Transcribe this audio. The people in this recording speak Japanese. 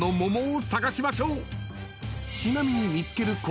［ちなみに］